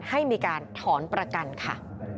ให้มีการถอนประกันค่ะ